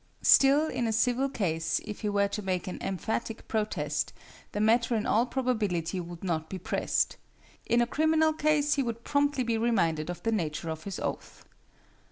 Still, in a civil case, if he were to make an emphatic protest, the matter in all probability would not be pressed. In a criminal case he would promptly be reminded of the nature of his oath.